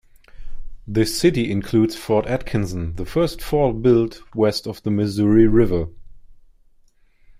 The city includes Fort Atkinson, the first fort built west of the Missouri River.